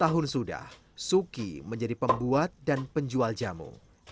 dua puluh tahun sudah suki menjadi pembuat dan penjual jamu